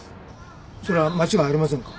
それは間違いありませんか？